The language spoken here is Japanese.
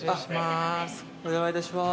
お願いいたします。